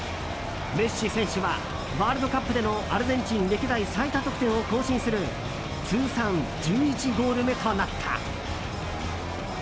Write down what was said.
メッシ選手はワールドカップでのアルゼンチン歴代最多得点を更新する通算１１ゴール目となった。